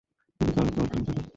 তিনি কারারুদ্ধ ও অন্তরীণ থাকেন।